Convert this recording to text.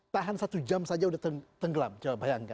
tahan satu jam saja sudah tenggelam coba bayangkan